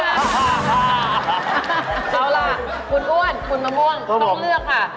เอาล่ะคุณอ้วนคุณมะม่วงต้องเลือกค่ะ